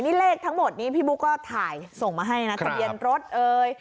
นี่เลขทั้งหมดนี้พี่บุ๊กก็ถ่ายส่งมาให้นะทะเบียนรถเอ่ย